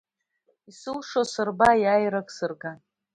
Исылшо сырба, иааирак сырга.